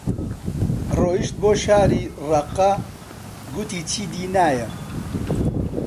ڕۆیشت بۆ شاری ڕەققە، گوتی چیدی نایەم